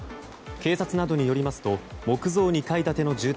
警察などによりますと木造２階建ての住宅